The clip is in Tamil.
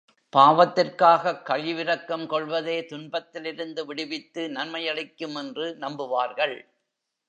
பாவத்திற்காகக் கழிவிரக்கம் கொள்வதே துன்பத்திலிருந்து விடுவித்து நன்மையளிக்கும் என்று நம்புவார்கள்.